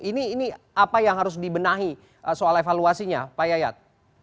ini apa yang harus dibenahi soal evaluasinya pak yayat